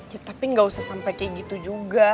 ya tapi nggak usah sampai kayak gitu juga